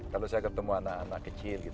kalau saya ketemu anak anak kecil